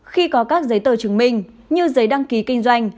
khi có các giấy tờ chứng minh như giấy đăng ký kinh doanh